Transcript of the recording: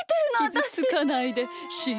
きずつかないでしんじてよ。